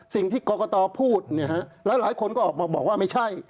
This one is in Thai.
สิ่งที่กรกตพูดเนี่ยฮะหลายคนก็ออกมาบอกว่าไม่ใช่